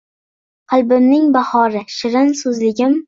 Qalbimning bahori, shirin so`zligim